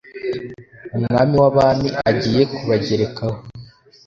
umwami w’abami agiye kubagerekaho.